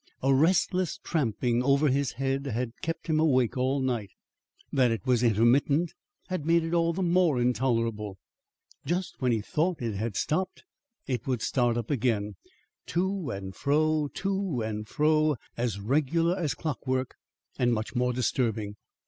A restless tramping over his head had kept him awake all night. That it was intermittent had made it all the more intolerable. Just when he thought it had stopped, it would start up again, to and fro, to and fro, as regular as clockwork and much more disturbing.